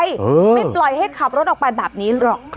ไม่ปล่อยให้ขับรถออกไปแบบนี้หรอก